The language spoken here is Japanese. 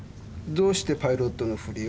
どうしてパイロットのふりを？